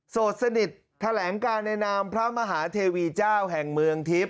โสดสนิทแถลงการในนามพระมหาเทวีเจ้าแห่งเมืองทิพย